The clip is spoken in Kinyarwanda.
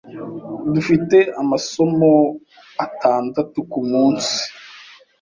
Dufite amasomo atandatu kumunsi.